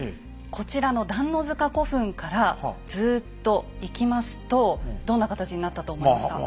こちらの段ノ塚古墳からずといきますとどんな形になったと思いますか？